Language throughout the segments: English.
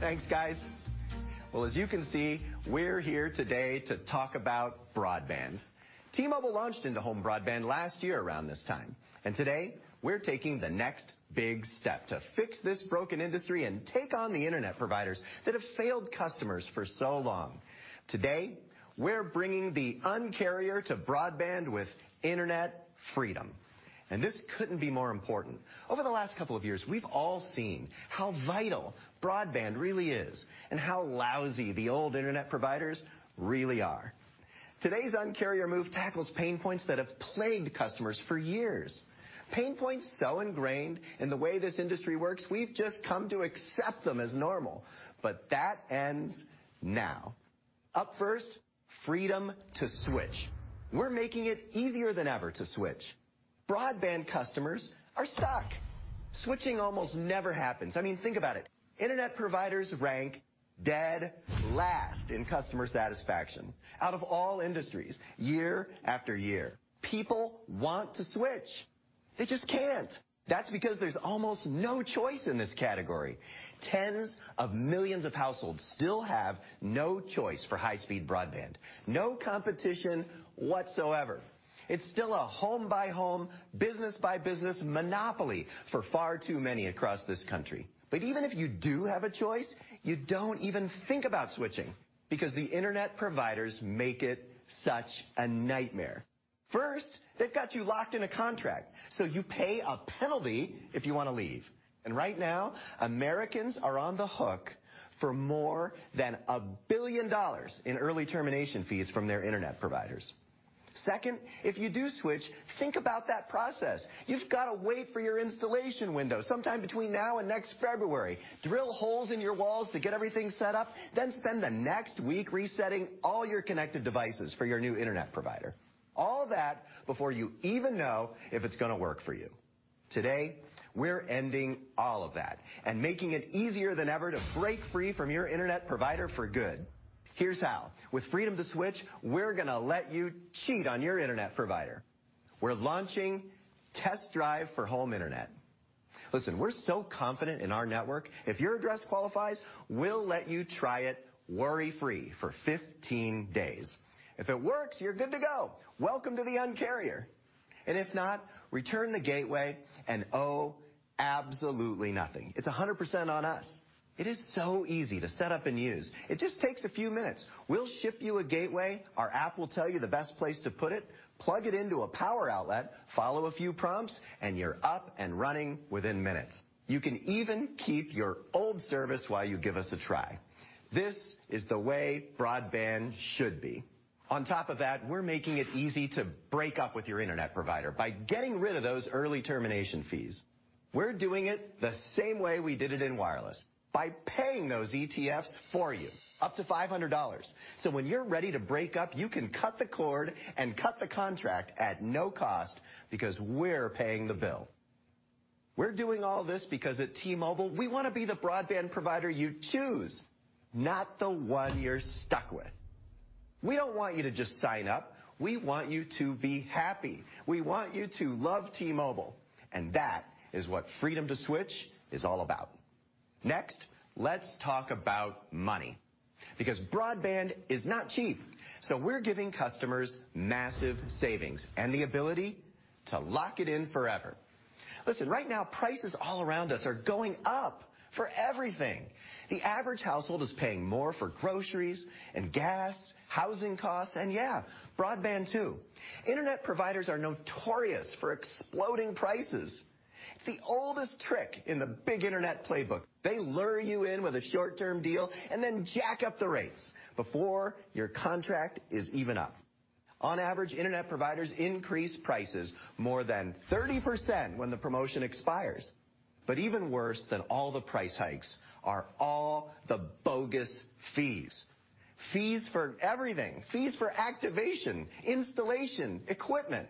Thanks guys. Well, as you can see, we're here today to talk about broadband. T-Mobile launched into home broadband last year around this time. Today, we're taking the next big step to fix this broken industry and take on the internet providers that have failed customers for so long. Today, we're bringing the Un-carrier to broadband with Internet Freedom, and this couldn't be more important. Over the last couple of years, we've all seen how vital broadband really is and how lousy the old internet providers really are. Today's Un-carrier move tackles pain points that have plagued customers for years. Pain points so ingrained in the way this industry works, we've just come to accept them as normal. That ends now. Up first, freedom to switch. We're making it easier than ever to switch. Broadband customers are stuck. Switching almost never happens. I mean, think about it. Internet providers rank dead last in customer satisfaction out of all industries year after year. People want to switch. They just can't. That's because there's almost no choice in this category. Tens of millions of households still have no choice for high-speed broadband, no competition whatsoever. It's still a home-by-home, business-by-business monopoly for far too many across this country. But even if you do have a choice, you don't even think about switching because the internet providers make it such a nightmare. First, they've got you locked in a contract, so you pay a penalty if you want to leave. Right now, Americans are on the hook for more than $1 billion in early termination fees from their internet providers. Second, if you do switch, think about that process. You've gotta wait for your installation window sometime between now and next February. Drill holes in your walls to get everything set up, then spend the next week resetting all your connected devices for your new internet provider. All that before you even know if it's going to work for you. Today, we're ending all of that and making it easier than ever to break free from your internet provider for good. Here's how. With freedom to switch, we're going to let you cheat on your internet provider. We're launching Test Drive for home internet. Listen, we're so confident in our network, if your address qualifies, we'll let you try it worry-free for 15 days. If it works, you're good to go. Welcome to the Un-carrier. If not, return the gateway and owe absolutely nothing. It's 100% on us. It is so easy to set up and use. It just takes a few minutes. We'll ship you a gateway. Our app will tell you the best place to put it. Plug it into a power outlet, follow a few prompts, and you're up and running within minutes. You can even keep your old service while you give us a try. This is the way broadband should be. On top of that, we're making it easy to break up with your internet provider by getting rid of those early termination fees. We're doing it the same way we did it in wireless, by paying those ETFs for you, up to $500. When you're ready to break up, you can cut the cord and cut the contract at no cost because we're paying the bill. We're doing all this because at T-Mobile, we want to be the broadband provider you choose, not the one you're stuck with. We don't want you to just sign up. We want you to be happy. We want you to love T-Mobile, and that is what freedom to switch is all about. Next, let's talk about money, because broadband is not cheap. We're giving customers massive savings and the ability to lock it in forever. Listen right now, prices all around us are going up for everything. The average household is paying more for groceries and gas, housing costs, and yeah, broadband too. Internet providers are notorious for exploding prices. It's the oldest trick in the big internet playbook. They lure you in with a short-term deal and then jack up the rates before your contract is even up. On average, internet providers increase prices more than 30% when the promotion expires. Even worse than all the price hikes are all the bogus fees. Fees for everything. Fees for activation, installation, equipment.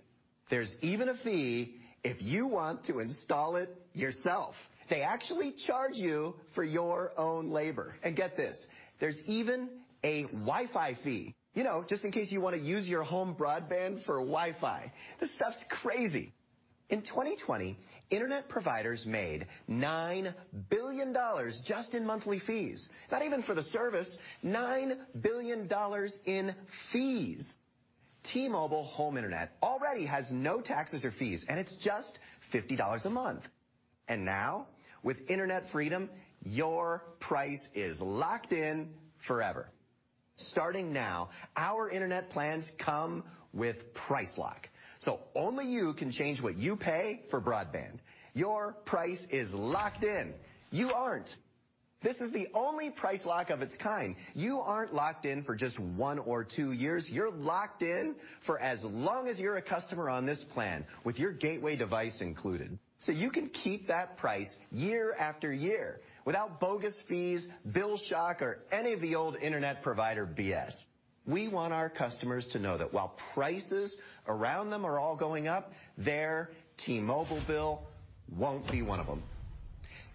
There's even a fee if you want to install it yourself. They actually charge you for your own labor. Get this, there's even a Wi-Fi fee. You know, just in case you want to use your home broadband for Wi-Fi. This stuff's crazy. In 2020, internet providers made $9 billion just in monthly fees. Not even for the service. $9 billion in fees. T-Mobile home internet already has no taxes or fees, and it's just $50 a month. Now, with Internet Freedom, your price is locked in forever. Starting now, our internet plans come with Price Lock, so only you can change what you pay for broadband. Your price is locked in. You aren't. This is the only Price Lock of its kind. You aren't locked in for just one or two years. You're locked in for as long as you're a customer on this plan with your gateway device included. You can keep that price year-after-year without bogus fees, bill shock, or any of the old internet provider BS. We want our customers to know that while prices around them are all going up, their T-Mobile bill won't be one of them.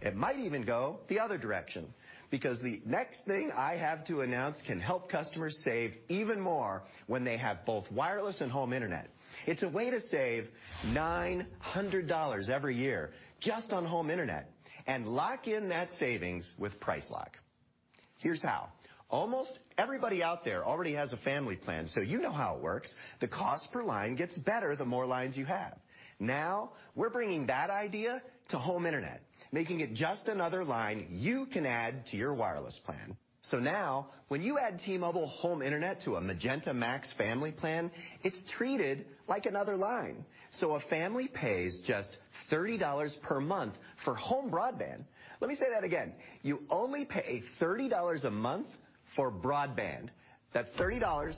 It might even go the other direction because the next thing I have to announce can help customers save even more when they have both wireless and home internet. It's a way to save $900 every year just on home internet and lock in that savings with Price Lock. Here's how. Almost everybody out there already has a family plan, so you know how it works. The cost per line gets better the more lines you have. Now, we're bringing that idea to home internet, making it just another line you can add to your wireless plan. Now, when you add T-Mobile home internet to a Magenta MAX family plan, it's treated like another line. A family pays just $30 per month for home broadband. Let me say that again. You only pay $30 a month for broadband. That's $30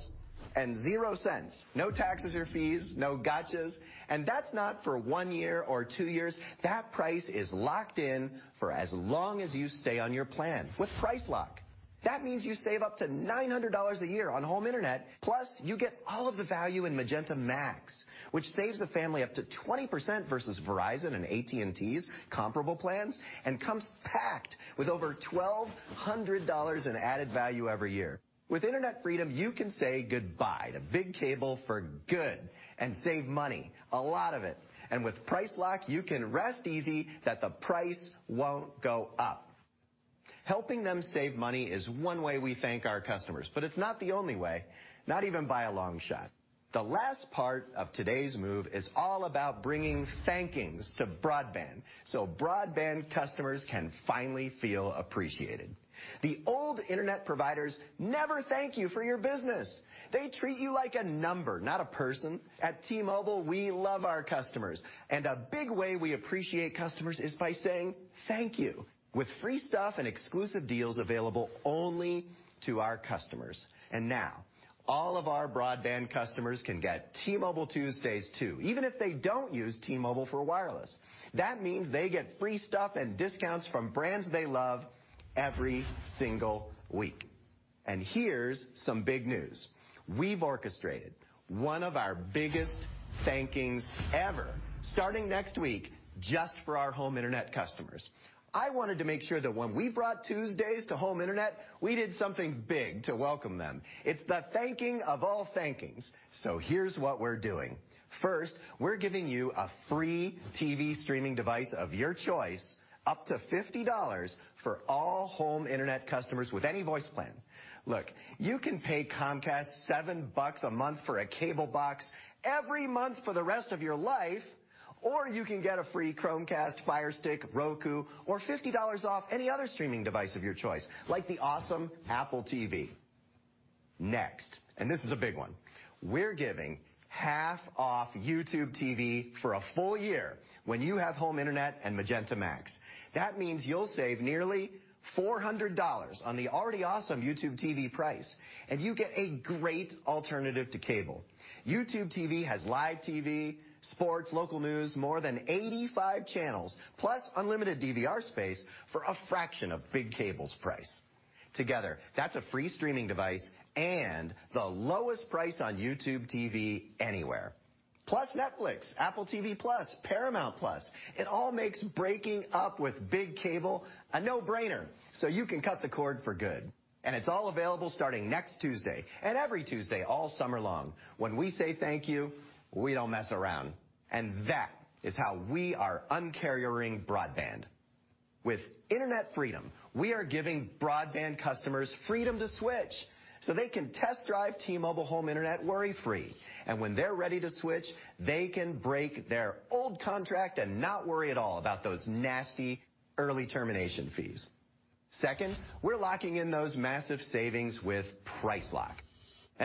and 0 cents. No taxes or fees, no gotchas. That's not for one year or two years. That price is locked in for as long as you stay on your plan with Price Lock. That means you save up to $900 a year on home internet. Plus, you get all of the value in Magenta MAX, which saves a family up to 20% versus Verizon and AT&T's comparable plans and comes packed with over $1,200 in added value every year. With Internet Freedom, you can say goodbye to big cable for good and save money, a lot of it. With Price Lock, you can rest easy that the price won't go up. Helping them save money is one way we thank our customers, but it's not the only way, not even by a long shot. The last part of today's move is all about bringing thanks to broadband so broadband customers can finally feel appreciated. The old internet providers never thank you for your business. They treat you like a number, not a person. At T-Mobile, we love our customers. A big way we appreciate customers is by saying thank you with free stuff and exclusive deals available only to our customers. Now all of our broadband customers can get T-Mobile Tuesdays too, even if they don't use T-Mobile for wireless. That means they get free stuff and discounts from brands they love every single week. Here's some big news. We've orchestrated one of our biggest thankings ever starting next week just for our home internet customers. I wanted to make sure that when we brought Tuesdays to home internet, we did something big to welcome them. It's the thanking of all thankings. Here's what we're doing. First, we're giving you a free TV streaming device of your choice, up to $50 for all home internet customers with any voice plan. You can pay Comcast $7 a month for a cable box every month for the rest of your life. You can get a free Chromecast, Fire Stick, Roku, or $50 off any other streaming device of your choice, like the awesome Apple TV. Next, this is a big one, we're giving half off YouTube TV for a full year when you have home internet and Magenta Max. That means you'll save nearly $400 on the already awesome YouTube TV price, and you get a great alternative to cable. YouTube TV has live TV, sports, local news, more than 85 channels, plus unlimited DVR space for a fraction of big cable's price. Together, that's a free streaming device and the lowest price on YouTube TV anywhere. Plus Netflix, Apple TV+, Paramount+. It all makes breaking up with big cable a no-brainer so you can cut the cord for good. It's all available starting next Tuesday and every Tuesday all summer long. When we say thank you, we don't mess around. That is how we are Un-carriering broadband. With Internet Freedom, we are giving broadband customers freedom to switch so they can test-drive T-Mobile home internet worry-free. When they're ready to switch, they can break their old contract and not worry at all about those nasty early termination fees. Second, we're locking in those massive savings with Price Lock.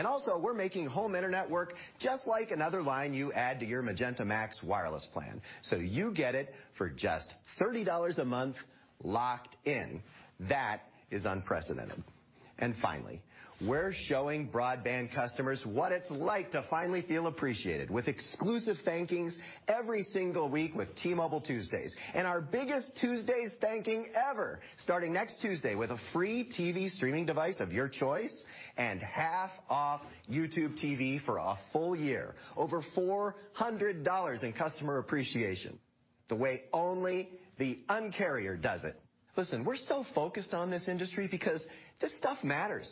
Also we're making home internet work just like another line you add to your Magenta MAX wireless plan. You get it for just $30 a month locked in. That is unprecedented. Finally, we're showing broadband customers what it's like to finally feel appreciated with exclusive thanks every single week with T-Mobile Tuesdays and our biggest Tuesdays thanks ever starting next Tuesday with a free TV streaming device of your choice and half off YouTube TV for a full year, over $400 in customer appreciation, the way only the Un-carrier does it. Listen, we're so focused on this industry because this stuff matters.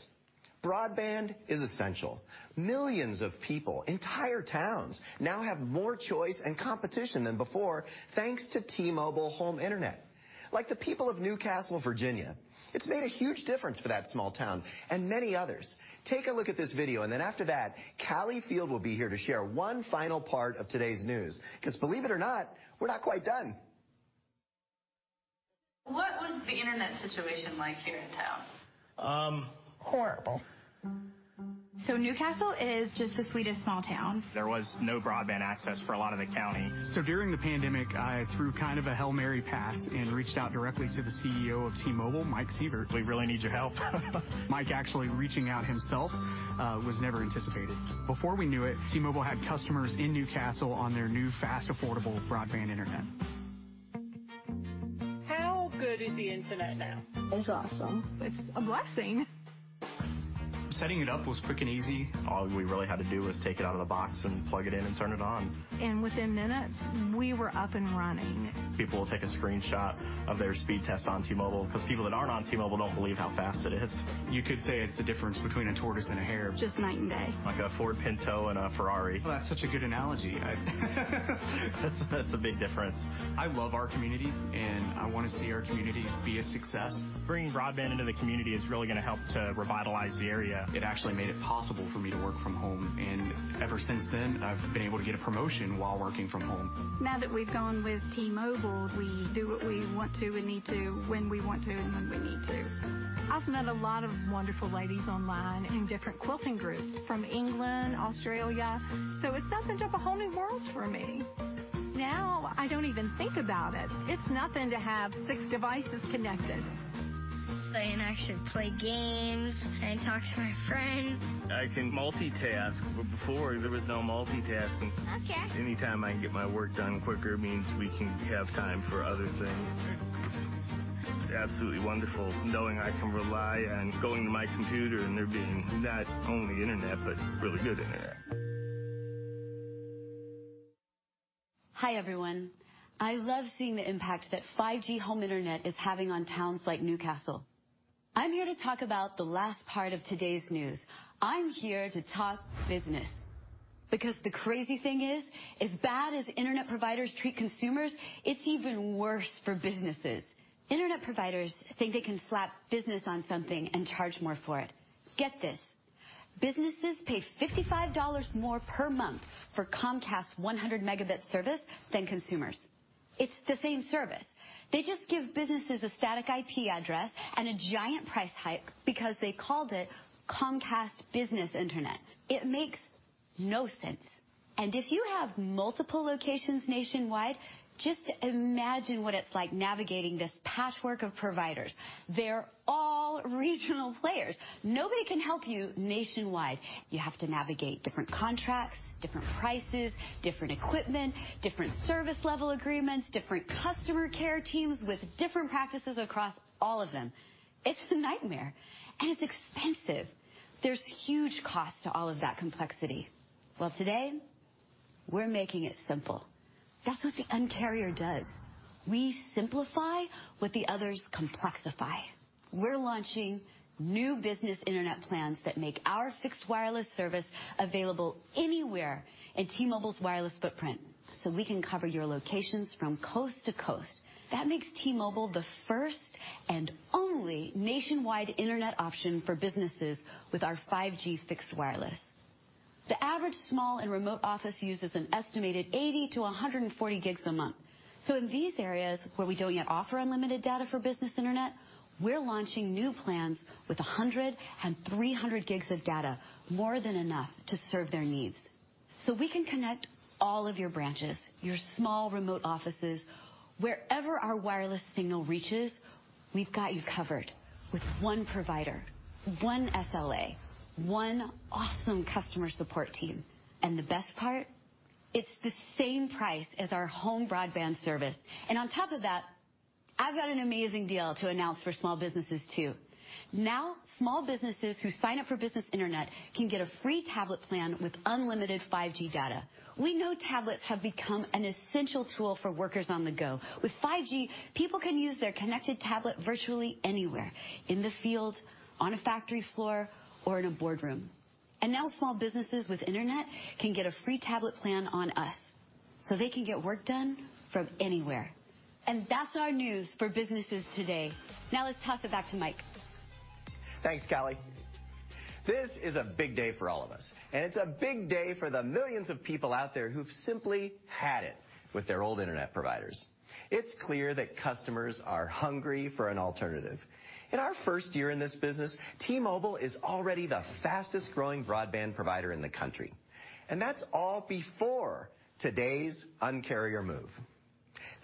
Broadband is essential. Millions of people, entire towns now have more choice and competition than before, thanks to T-Mobile home internet. Like the people of Newcastle, Virginia, it's made a huge difference for that small town and many others. Take a look at this video and then after that, Callie Field will be here to share one final part of today's news, because believe it or not, we're not quite done. What was the internet situation like here in town? Horrible. Newcastle is just the sweetest small town. There was no broadband access for a lot of the county. During the pandemic, I threw kind of a Hail Mary pass and reached out directly to the CEO of T-Mobile, Mike Sievert. We really need your help. Mike actually reaching out himself was never anticipated. Before we knew it, T-Mobile had customers in Newcastle on their new fast, affordable broadband internet. How good is the internet now. It's awesome. It's a blessing. Setting it up was quick and easy. All we really had to do was take it out of the box and plug it in and turn it on. Within minutes, we were up and running. People will take a screenshot of their speed test on T-Mobile because people that aren't on T-Mobile don't believe how fast it is. You could say it's the difference between a tortoise and a hare. Just night and day. Like a Ford Pinto and a Ferrari. Well, that's such a good analogy. That's a big difference. I love our community and I want to see our community be a success. Bringing broadband into the community is really going to help to revitalize the area. It actually made it possible for me to work from home. Ever since then, I've been able to get a promotion while working from home. Now that we've gone with T-Mobile, we do what we want to and need to, when we want to and when we need to. I've met a lot of wonderful ladies online in different quilting groups from England, Australia. It's opened up a whole new world for me. Now, I don't even think about it. It's nothing to have six devices connected. I can actually play games and talk to my friends. I can multitask, but before there was no multitasking. Okay. Anytime I can get my work done quicker means we can have time for other things. Absolutely wonderful knowing I can rely on going to my computer and there being not only internet, but really good internet. Hi everyone. I love seeing the impact that 5G home internet is having on towns like Newcastle. I'm here to talk about the last part of today's news. I'm here to talk business. Because the crazy thing is, as bad as internet providers treat consumers, it's even worse for businesses. Internet providers think they can slap business on something and charge more for it. Get this. Businesses pay $55 more per month for Comcast's 100 Mbps service than consumers. It's the same service. They just give businesses a static IP address and a giant price hike because they called it Comcast Business Internet. It makes no sense. If you have multiple locations nationwide, just imagine what it's like navigating this patchwork of providers. They're all regional players. Nobody can help you nationwide. You have to navigate different contracts, different prices, different equipment, different service level agreements, different customer care teams with different practices across all of them. It's a nightmare, and it's expensive. There's huge costs to all of that complexity. Well, today we're making it simple. That's what the Un-carrier does. We simplify what the others complexify. We're launching new business internet plans that make our fixed wireless service available anywhere in T-Mobile's wireless footprint, so we can cover your locations from coast to coast. That makes T-Mobile the first and only nationwide internet option for businesses with our 5G fixed wireless. The average small and remote office uses an estimated 80 GB-140 GB a month. In these areas where we don't yet offer unlimited data for business internet, we're launching new plans with 100 GB and 300 GB of data, more than enough to serve their needs. We can connect all of your branches, your small remote offices. Wherever our wireless signal reaches, we've got you covered with one provider, one SLA, one awesome customer support team. The best part, it's the same price as our home broadband service. On top of that, I've got an amazing deal to announce for small businesses too. Now, small businesses who sign up for business internet can get a free tablet plan with unlimited 5G data. We know tablets have become an essential tool for workers on the go. With 5G, people can use their connected tablet virtually anywhere. In the field, on a factory floor, or in a boardroom. Now small businesses with internet can get a free tablet plan on us, so they can get work done from anywhere. That's our news for businesses today. Now let's toss it back to Mike. Thanks, Callie. This is a big day for all of us. It's a big day for the millions of people out there who've simply had it with their old internet providers. It's clear that customers are hungry for an alternative. In our first year in this business, T-Mobile is already the fastest-growing broadband provider in the country, and that's all before today's Un-carrier move.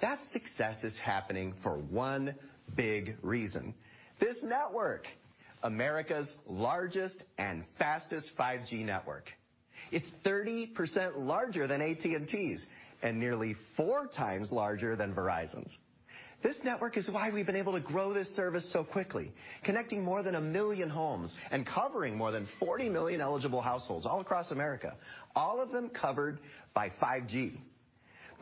That success is happening for one big reason. This network, America's largest and fastest 5G network. It's 30% larger than AT&T's and nearly four times larger than Verizon's. This network is why we've been able to grow this service so quickly, connecting more than 1 million homes and covering more than 40 million eligible households all across America, all of them covered by 5G.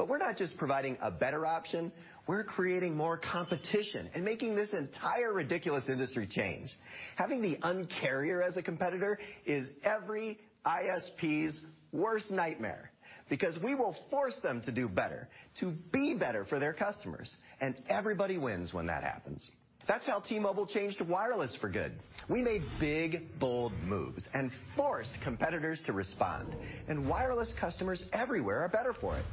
We're not just providing a better option, we're creating more competition and making this entire ridiculous industry change. Having the Un-carrier as a competitor is every ISP's worst nightmare because we will force them to do better, to be better for their customers, and everybody wins when that happens. That's how T-Mobile changed wireless for good. We made big, bold moves and forced competitors to respond, and wireless customers everywhere are better for it.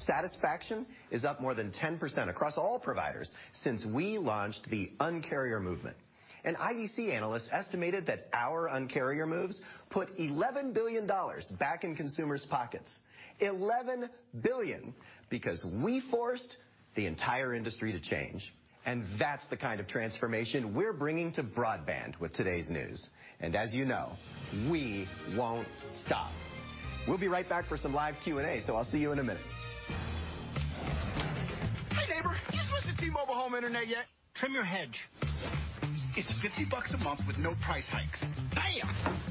Satisfaction is up more than 10% across all providers since we launched the Un-carrier movement. An IDC analyst estimated that our Un-carrier moves put $11 billion back in consumers' pockets. $11 billion, because we forced the entire industry to change, and that's the kind of transformation we're bringing to broadband with today's news. As you know, we won't stop. We'll be right back for some live Q&A, so I'll see you in a minute. Hi, neighbor. You switch to T-Mobile home internet yet? Trim your hedge. It's $50 a month with no price hikes. Bam.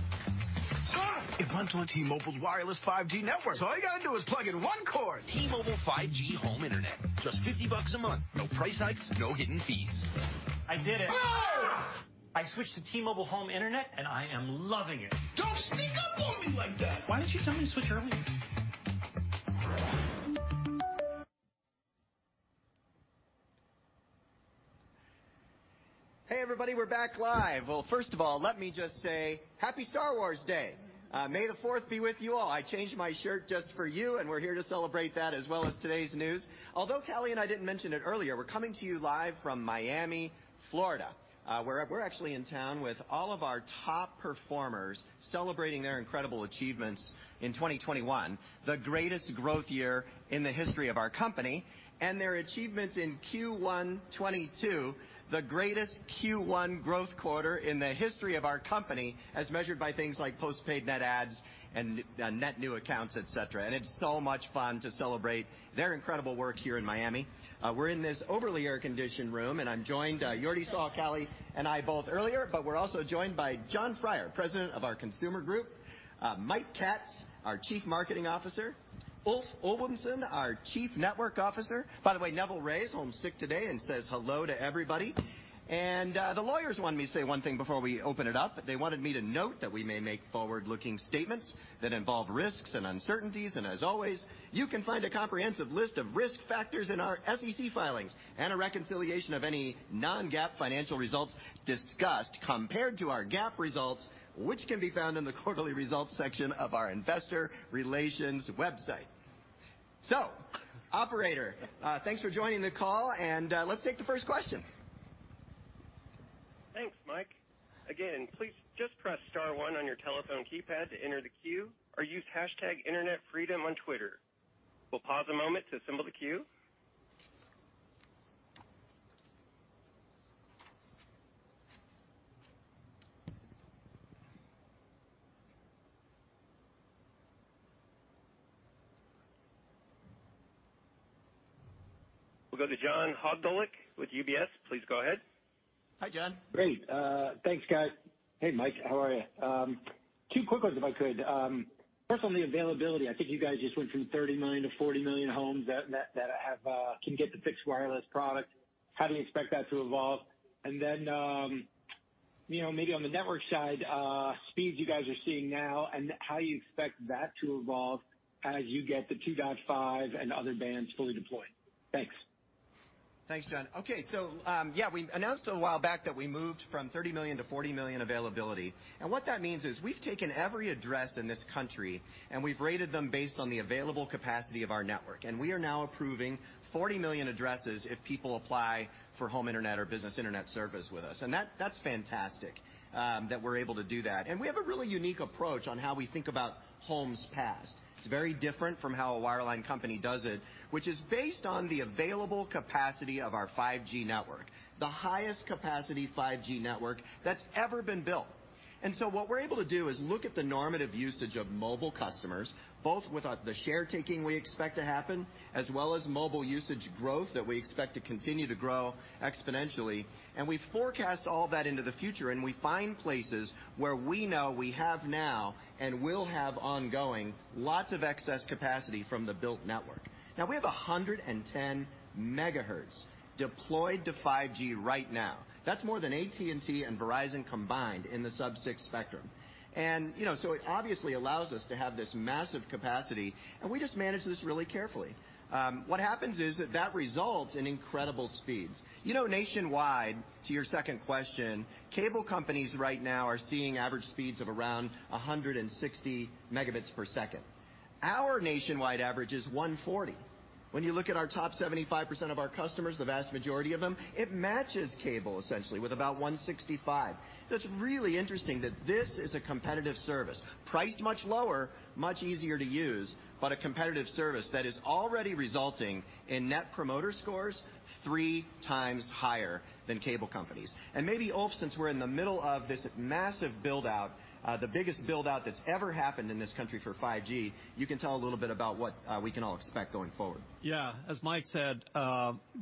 Son of a- It runs on T-Mobile's wireless 5G network. All you gotta do is plug in one cord. T-Mobile 5G Home Internet, just $50 a month. No price hikes, no hidden fees. I did it. I switched to T-Mobile home internet, and I am loving it. Don't sneak up on me like that. Why didn't you tell me to switch earlier? Hey, everybody, we're back live. Well, first of all, let me just say happy Star Wars Day. May the Fourth be with you all. I changed my shirt just for you, and we're here to celebrate that as well as today's news. Although Callie and I didn't mention it earlier, we're coming to you live from Miami, Florida, where we're actually in town with all of our top performers celebrating their incredible achievements in 2021, the greatest growth year in the history of our company and their achievements in Q1 2022, the greatest Q1 growth quarter in the history of our company, as measured by things like postpaid net adds and net new accounts, etc. It's so much fun to celebrate their incredible work here in Miami. We're in this overly air-conditioned room, and I'm joined. Yordy saw Callie and I both earlier, but we're also joined by Jon Freier, President of our Consumer Group, Mike Katz, our Chief Marketing Officer, Ulf Ewaldsson, our Chief Network Officer. By the way, Neville Ray is home sick today and says hello to everybody. The lawyers wanted me to say one thing before we open it up. They wanted me to note that we may make forward-looking statements that involve risks and uncertainties. As always, you can find a comprehensive list of risk factors in our SEC filings and a reconciliation of any non-GAAP financial results discussed compared to our GAAP results, which can be found in the quarterly results section of our investor relations website. Operator, thanks for joining the call, and let's take the first question. Thanks, Mike. Again, please just press star one on your telephone keypad to enter the queue, or use hashtag Internet Freedom on Twitter. We'll pause a moment to assemble the queue. We'll go to John Hodulik with UBS. Please go ahead. Hi, John. Great. Thanks, guys. Hey, Mike, how are you? Two quick ones, if I could. First on the availability. I think you guys just went from 30 million to 40 million homes that can get the fixed wireless product. How do you expect that to evolve? You know, maybe on the network side, speeds you guys are seeing now and how you expect that to evolve as you get the 2.5 GHz and other bands fully deployed. Thanks. Thanks, John. Okay. Yeah, we announced a while back that we moved from 30 million to 40 million availability. What that means is we've taken every address in this country, and we've rated them based on the available capacity of our network. We are now approving 40 million addresses if people apply for home internet or business internet service with us. That's fantastic that we're able to do that. We have a really unique approach on how we think about homes passed. It's very different from how a wireline company does it, which is based on the available capacity of our 5G network, the highest capacity 5G network that's ever been built. What we're able to do is look at the normative usage of mobile customers, both with the share taking we expect to happen, as well as mobile usage growth that we expect to continue to grow exponentially. We forecast all that into the future, and we find places where we know we have now and will have ongoing lots of excess capacity from the built network. Now we have 110 MHz deployed to 5G right now. That's more than AT&T and Verizon combined in the sub-6 spectrum. You know, it obviously allows us to have this massive capacity, and we just manage this really carefully. What happens is that that results in incredible speeds. You know, nationwide, to your second question, cable companies right now are seeing average speeds of around 160 Mbps. Our nationwide average is 140 Mbps. When you look at our top 75% of our customers, the vast majority of them, it matches cable, essentially, with about 165 Mbps. It's really interesting that this is a competitive service. Priced much lower, much easier to use, but a competitive service that is already resulting in net promoter scores three times higher than cable companies. Maybe, Ulf, since we're in the middle of this massive buildout, the biggest buildout that's ever happened in this country for 5G, you can tell a little bit about what we can all expect going forward. As Mike said,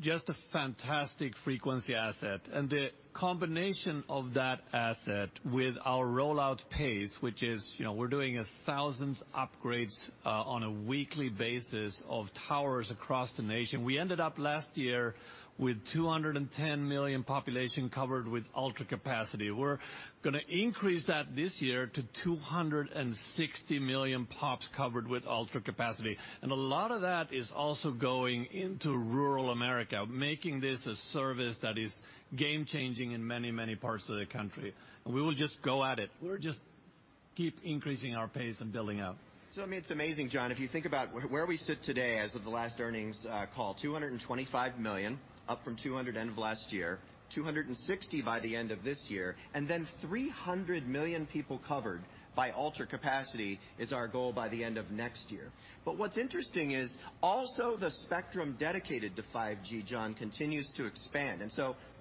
just a fantastic frequency asset. The combination of that asset with our rollout pace, which is, you know, we're doing thousands upgrades on a weekly basis of towers across the nation. We ended up last year with 210 million population covered with Ultra Capacity. We're going to increase that this year to 260 million pops covered with Ultra Capacity. A lot of that is also going into rural America, making this a service that is game changing in many, many parts of the country. We will just go at it. We're just keep increasing our pace and building out. I mean, it's amazing, John, if you think about where we sit today as of the last earnings call, 225 million up from 200 end of last year, 260 by the end of this year, and then 300 million people covered by Ultra Capacity is our goal by the end of next year. What's interesting is also the spectrum dedicated to 5G, John, continues to expand.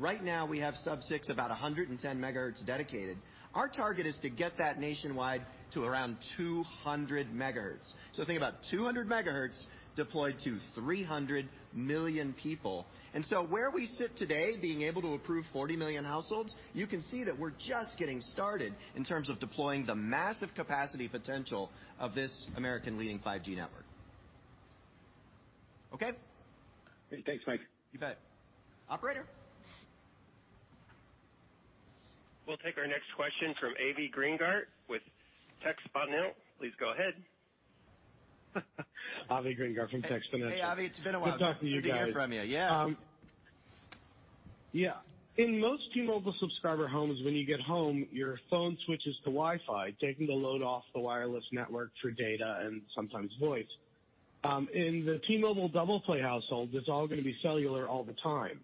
Right now we have sub-6 about 110 MHz dedicated. Our target is to get that nationwide to around 200 MHz. Think about 200 MHz deployed to 300 million people. Where we sit today, being able to approve 40 million households, you can see that we're just getting started in terms of deploying the massive capacity potential of this American leading 5G network. Okay? Great. Thanks, Mike. You bet. Operator? We'll take our next question from Avi Greengart with Techsponential. Please go ahead. Avi Greengart from Techsponential. Hey, Avi, it's been a while. Good talking to you guys. Good to hear from you. In most T-Mobile subscriber homes, when you get home, your phone switches to Wi-Fi, taking the load off the wireless network for data and sometimes voice. In the T-Mobile DoublePlay household, it's all going to be cellular all the time.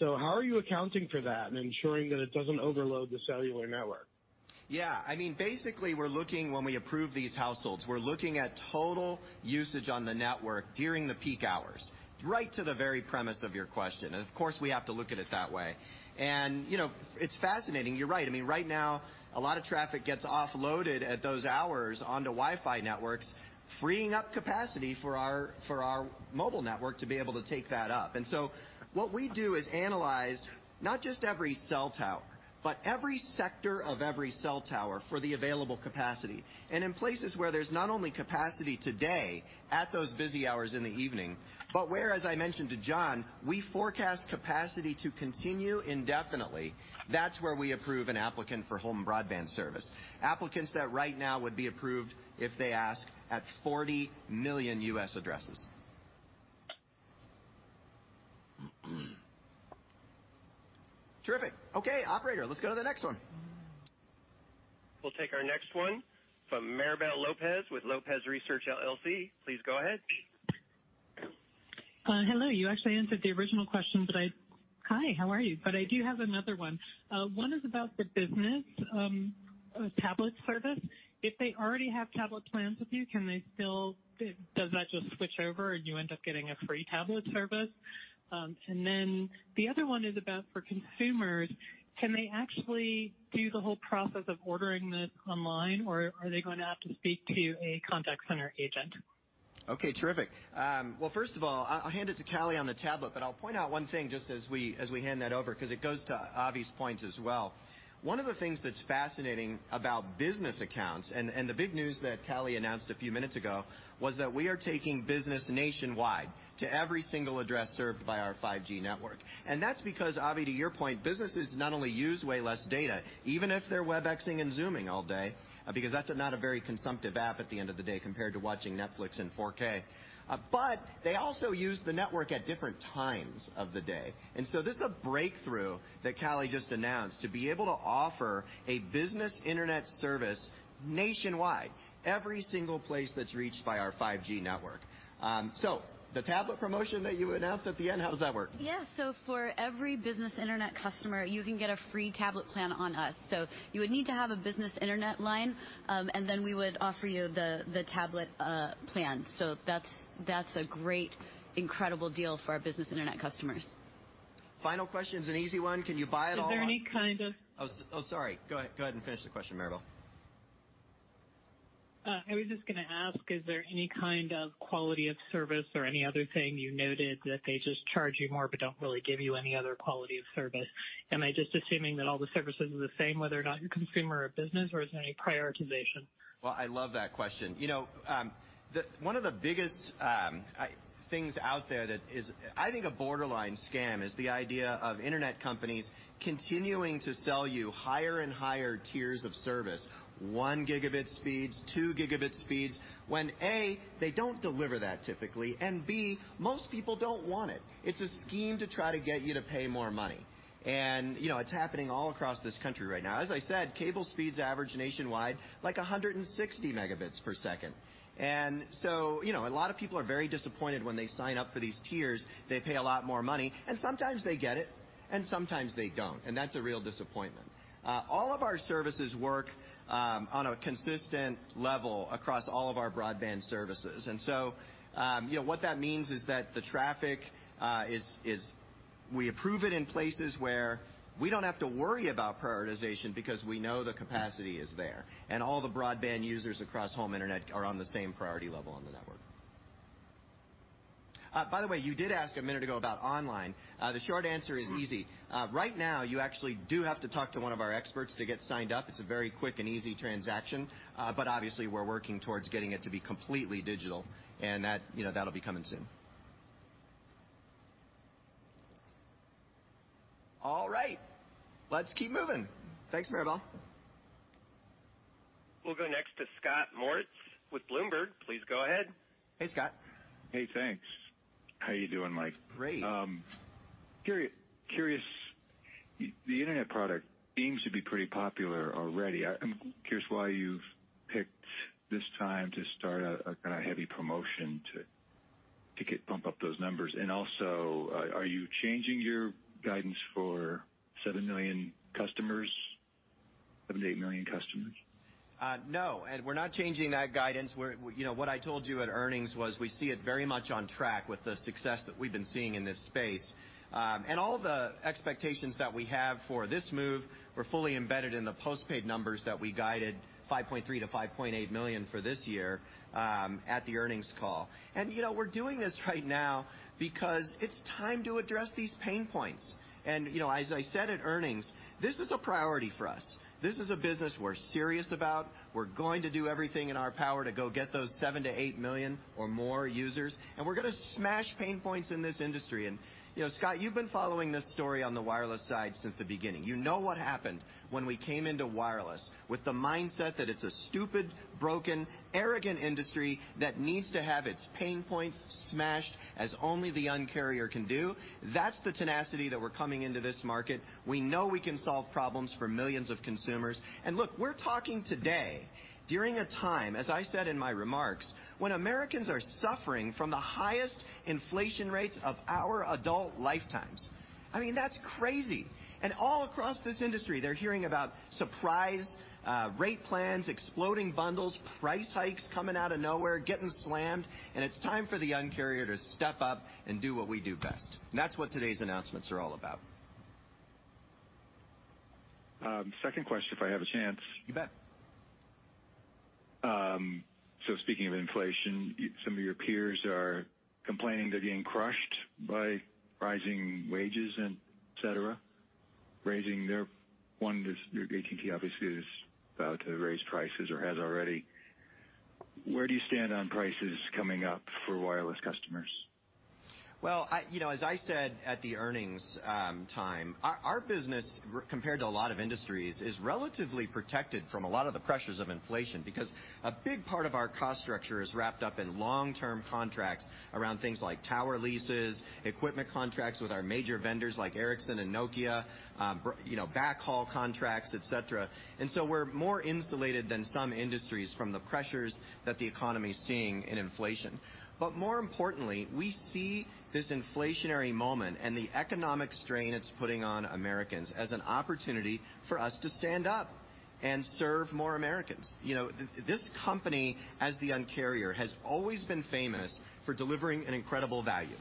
How are you accounting for that and ensuring that it doesn't overload the cellular network? Basically we're looking, when we approve these households, we're looking at total usage on the network during the peak hours. Right to the very premise of your question. Of course, we have to look at it that way. You know, it's fascinating. You're right. I mean, right now, a lot of traffic gets offloaded at those hours onto Wi-Fi networks, freeing up capacity for our mobile network to be able to take that up. What we do is analyze not just every cell tower, but every sector of every cell tower for the available capacity. In places where there's not only capacity today at those busy hours in the evening, but where, as I mentioned to John, we forecast capacity to continue indefinitely, that's where we approve an applicant for home broadband service. Applicants that right now would be approved if they ask, at 40 million U.S. addresses. Terrific. Okay, operator, let's go to the next one. We'll take our next one from Maribel Lopez with Lopez Research LLC. Please go ahead. Hello. You actually answered the original question. Hi, how are you? I do have another one. One is about the business tablet service. If they already have tablet plans with you, does that just switch over and you end up getting a free tablet service? And then the other one is about for consumers, can they actually do the whole process of ordering this online, or are they going to have to speak to a contact center agent? Okay, terrific. Well, first of all, I'll hand it to Callie on the tablet, but I'll point out one thing just as we hand that over, because it goes to Avi's point as well. One of the things that's fascinating about business accounts, and the big news that Callie announced a few minutes ago, was that we are taking business nationwide to every single address served by our 5G network. That's because, Avi, to your point, businesses not only use way less data, even if they're Webex and Zoom all day, because that's not a very consumptive app at the end of the day compared to watching Netflix in 4K. They also use the network at different times of the day. This is a breakthrough that Callie just announced to be able to offer a business internet service nationwide every single place that's reached by our 5G network. The tablet promotion that you announced at the end, how does that work? For every business internet customer, you can get a free tablet plan on us. You would need to have a business internet line, and then we would offer you the tablet plan. That's a great, incredible deal for our business internet customers. Final question is an easy one. Can you buy it all on- Is there any kind of? Sorry. Go ahead and finish the question, Maribel. I was just going to ask, is there any kind of quality of service or any other thing you noted that they just charge you more but don't really give you any other quality of service? Am I just assuming that all the services are the same whether or not you're consumer or business, or is there any prioritization? Well, I love that question. You know, the one of the biggest things out there that is I think a borderline scam is the idea of internet companies continuing to sell you higher and higher tiers of service, 1 Gb speeds, 2 Gb speeds, when A, they don't deliver that typically, and B, most people don't want it. It's a scheme to try to get you to pay more money. You know, it's happening all across this country right now. As I said, cable speeds average nationwide like 160 Mbps. You know, a lot of people are very disappointed when they sign up for these tiers. They pay a lot more money, and sometimes they get it, and sometimes they don't, and that's a real disappointment. All of our services work on a consistent level across all of our broadband services. You know, what that means is that the traffic is we approve it in places where we don't have to worry about prioritization because we know the capacity is there, and all the broadband users across home internet are on the same priority level on the network. By the way, you did ask a minute ago about online. The short answer is easy. Right now you actually do have to talk to one of our experts to get signed up. It's a very quick and easy transaction. Obviously we're working towards getting it to be completely digital and that, you know, that'll be coming soon. All right, let's keep moving. Thanks, Maribel. We'll go next to Scott Moritz with Bloomberg. Please go ahead. Hey, Scott. Hey, thanks. How you doing, Mike? Great. Curious .The Internet product seems to be pretty popular already. I'm curious why you've picked this time to start a heavy promotion to bump up those numbers. Also, are you changing your guidance for 7 million customers, 7 million-8 million customers? No. We're not changing that guidance. You know, what I told you at earnings was we see it very much on track with the success that we've been seeing in this space. All the expectations that we have for this move were fully embedded in the postpaid numbers that we guided, 5.3 million-5.8 million for this year, at the earnings call. You know, we're doing this right now because it's time to address these pain points. You know, as I said at earnings, this is a priority for us. This is a business we're serious about. We're going to do everything in our power to go get those 7 million-8 million or more users, and we're going to smash pain points in this industry. You know, Scott, you've been following this story on the wireless side since the beginning. You know what happened when we came into wireless with the mindset that it's a stupid, broken, arrogant industry that needs to have its pain points smashed as only the Un-carrier can do. That's the tenacity that we're coming into this market. We know we can solve problems for millions of consumers. Look, we're talking today during a time, as I said in my remarks, when Americans are suffering from the highest inflation rates of our adult lifetimes. I mean, that's crazy. All across this industry, they're hearing about surprise rate plans, exploding bundles, price hikes coming out of nowhere, getting slammed, and it's time for the Un-carrier to step up and do what we do best. That's what today's announcements are all about. Second question, if I have a chance. You bet. Speaking of inflation, some of your peers are complaining they're getting crushed by rising wages, etc. One is AT&T obviously is about to raise prices or has already. Where do you stand on prices coming up for wireless customers? You know, as I said at the earnings time, our business compared to a lot of industries is relatively protected from a lot of the pressures of inflation because a big part of our cost structure is wrapped up in long-term contracts around things like tower leases, equipment contracts with our major vendors like Ericsson and Nokia, you know, backhaul contracts, etc. We're more insulated than some industries from the pressures that the economy is seeing in inflation. More importantly, we see this inflationary moment and the economic strain it's putting on Americans as an opportunity for us to stand up and serve more Americans. You know, this company, as the Un-carrier, has always been famous for delivering an incredible value.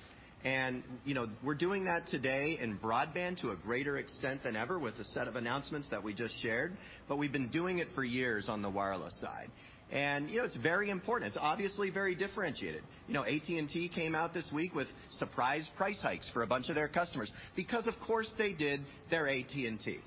We're doing that today in broadband to a greater extent than ever with the set of announcements that we just shared, but we've been doing it for years on the wireless side. you know, it's very important. It's obviously very differentiated. You know, AT&T came out this week with surprise price hikes for a bunch of their customers because, of course, they did, they're AT&T.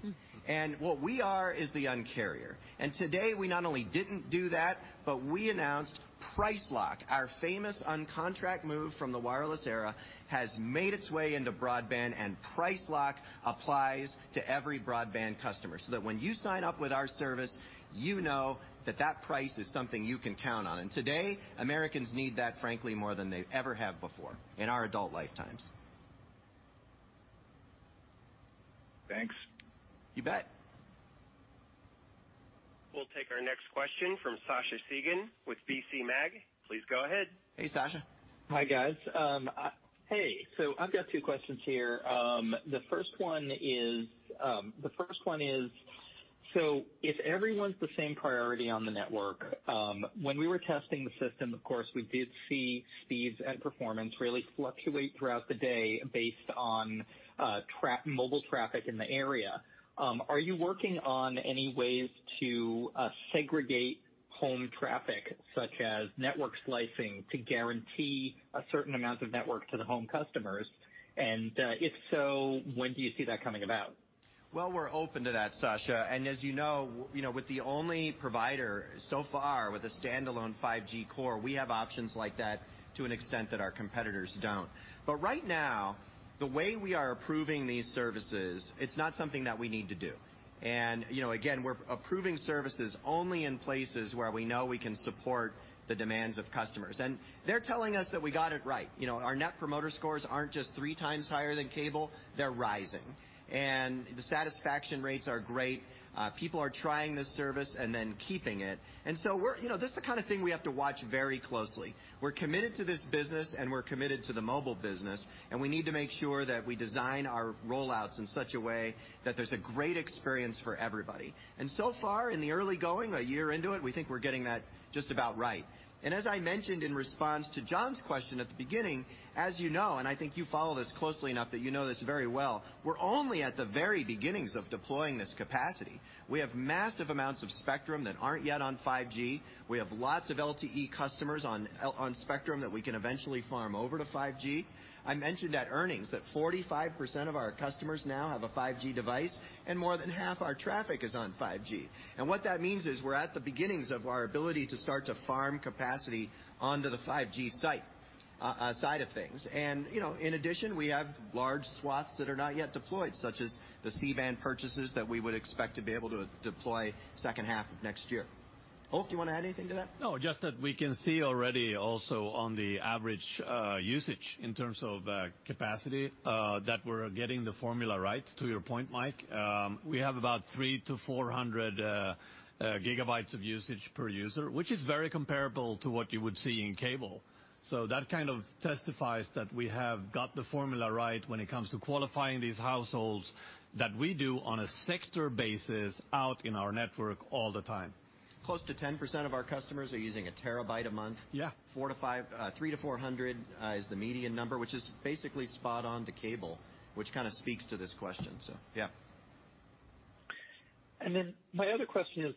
What we are is the Un-carrier. Today, we not only didn't do that, but we announced Price Lock. Our famous Un-contract move from the wireless era has made its way into broadband, and Price Lock applies to every broadband customer, so that when you sign up with our service, you know that that price is something you can count on. Today, Americans need that, frankly, more than they ever have before in our adult lifetimes. Thanks. You bet. We'll take our next question from Sascha Segan with PCMag. Please go ahead. Hey, Sascha. Hi, guys. Hey. I've got two questions here. The first one is, if everyone's the same priority on the network, when we were testing the system, of course, we did see speeds and performance really fluctuate throughout the day based on mobile traffic in the area. Are you working on any ways to segregate home traffic, such as network slicing, to guarantee a certain amount of network to the home customers? If so, when do you see that coming about? Well, we're open to that, Sasha. As you know with the only provider so far with a standalone 5G core, we have options like that to an extent that our competitors don't. Right now, the way we are approving these services, it's not something that we need to do. You know, again, we're approving services only in places where we know we can support the demands of customers. They're telling us that we got it right. You know, our net promoter scores aren't just three times higher than cable, they're rising. The satisfaction rates are great. People are trying this service and then keeping it. You know, this is the kind of thing we have to watch very closely. We're committed to this business, and we're committed to the mobile business, and we need to make sure that we design our rollouts in such a way that there's a great experience for everybody. So far, in the early going, a year into it, we think we're getting that just about right. As I mentioned in response to John's question at the beginning, as you know, and I think you follow this closely enough that you know this very well, we're only at the very beginnings of deploying this capacity. We have massive amounts of spectrum that aren't yet on 5G. We have lots of LTE customers on spectrum that we can eventually farm over to 5G. I mentioned at earnings that 45% of our customers now have a 5G device, and more than half our traffic is on 5G. What that means is we're at the beginnings of our ability to start to farm capacity onto the 5G side of things. You know, in addition, we have large swaths that are not yet deployed, such as the C-band purchases that we would expect to be able to deploy second half of next year. Ulf, do you want to add anything to that? No, just that we can see already also on the average usage in terms of capacity that we're getting the formula right. To your point, Mike, we have about 300 GB-400 GB of usage per user, which is very comparable to what you would see in cable. That kind of testifies that we have got the formula right when it comes to qualifying these households that we do on a sector basis out in our network all the time. Close to 10% of our customers are using a terabyte a month. Yeah. 300 GB-400 GB is the median number, which is basically spot on to cable, which kind of speaks to this question. My other question is,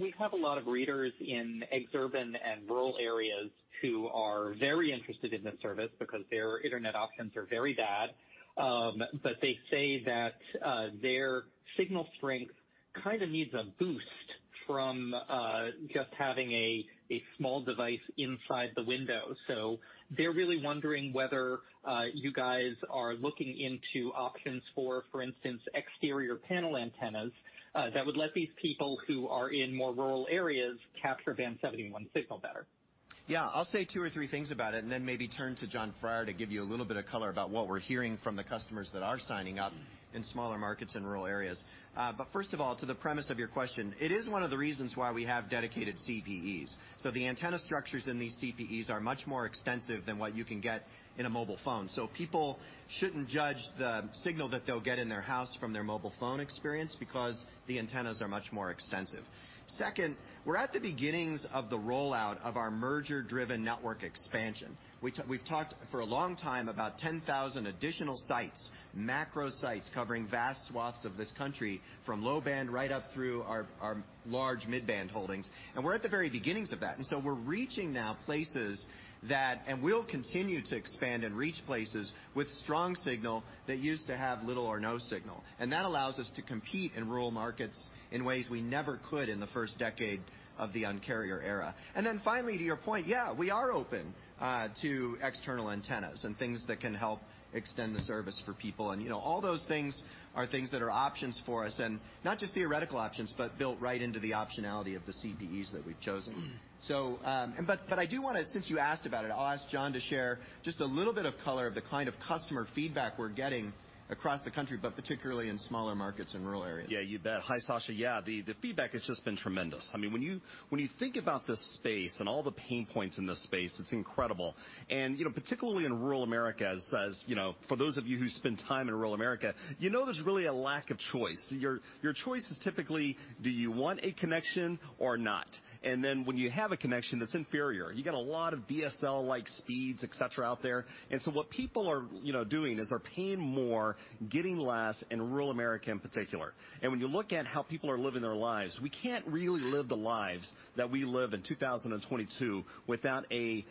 we have a lot of readers in exurban and rural areas who are very interested in this service because their internet options are very bad. But they say that their signal strength kind of needs a boost from just having a small device inside the window. They're really wondering whether you guys are looking into options for instance, exterior panel antennas that would let these people who are in more rural areas capture Band 71 signal better. Yeah. I'll say two or three things about it and then maybe turn to Jon Freier to give you a little bit of color about what we're hearing from the customers that are signing up in smaller markets and rural areas. First of all, to the premise of your question, it is one of the reasons why we have dedicated CPEs. The antenna structures in these CPEs are much more extensive than what you can get in a mobile phone. People shouldn't judge the signal that they'll get in their house from their mobile phone experience because the antennas are much more extensive. Second, we're at the beginnings of the rollout of our merger-driven network expansion. We've talked for a long time about 10,000 additional sites, macro sites covering vast swaths of this country from low-band right up through our large mid-band holdings. We're at the very beginnings of that. We're reaching now places that and we'll continue to expand and reach places with strong signal that used to have little or no signal. That allows us to compete in rural markets in ways we never could in the first decade of the Un-carrier era. Then finally, to your point we are open to external antennas and things that can help extend the service for people. You know, all those things are things that are options for us, and not just theoretical options, but built right into the optionality of the CPEs that we've chosen. I do want to, since you asked about it, I'll ask Jon to share just a little bit of color of the kind of customer feedback we're getting across the country, but particularly in smaller markets and rural areas. Hi, Sascha. Yeah, the feedback has just been tremendous. I mean, when you think about this space and all the pain points in this space, it's incredible. You know, particularly in rural America, as you know, for those of you who spend time in rural America, you know there's really a lack of choice. Your choice is typically, do you want a connection or not? When you have a connection that's inferior, you get a lot of DSL-like speeds, etc, out there. What people are doing is they're paying more, getting less in rural America in particular. When you look at how people are living their lives, we can't really live the lives that we live in 2022 without a